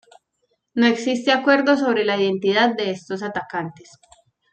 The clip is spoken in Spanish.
No existe acuerdo sobre la identidad de estos atacantes.